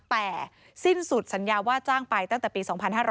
แต่สิ้นสุดสัญญาว่าจ้างไปตั้งแต่ปี๒๕๕๙